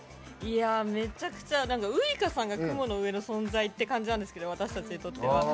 めちゃくちゃウイカさんが雲の上の存在って感じなんですけど私たちにとっては。